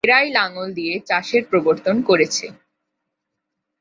এরাই লাঙ্গল দিয়ে চাষের প্রবর্তন করেছে।